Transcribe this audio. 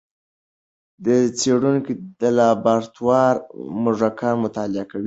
څېړونکي د لابراتوار موږکان مطالعه کوي.